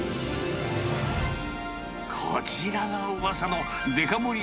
こちらがうわさのデカ盛り